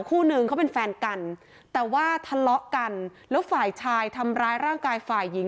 คู่นึงเขาเป็นแฟนกันแต่ว่าทะเลาะกันแล้วฝ่ายชายทำร้ายร่างกายฝ่ายหญิง